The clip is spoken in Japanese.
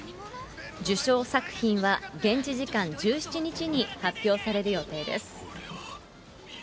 受賞作品は現地時間１７日に発表される予定です。